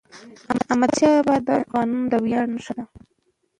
احمدشاه بابا د افغانانو د ویاړ نښه ده.